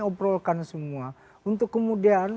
obrolkan semua untuk kemudian